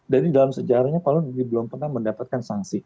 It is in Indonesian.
jadi dalam sejarahnya pak alun belum pernah mendapatkan sanksi